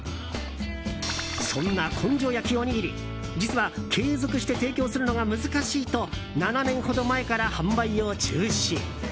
そんな根性焼きおにぎり実は、継続して提供するのが難しいと７年ほど前から販売を中止。